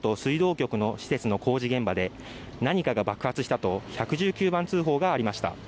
局施設の工事現場で何かが爆発したと１１９番通報がありました。